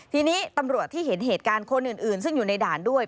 ทีนี้ตำรวจที่เห็นเหตุการณ์คนอื่นซึ่งอยู่ในด่านด้วย